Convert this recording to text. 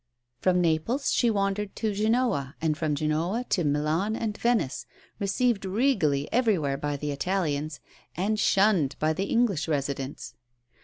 From Naples she wandered to Genoa, and from Genoa to Milan and Venice, received regally everywhere by the Italians and shunned by the English residents.